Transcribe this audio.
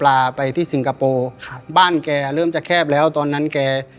ลาไปที่สิงคโปร์ครับบ้านแกเริ่มจะแคบแล้วตอนนั้นแก